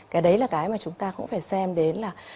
cái đấy là cái mà chúng ta cũng phải xem đến là